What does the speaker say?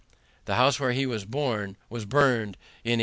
The house where he was born was burned in 1810.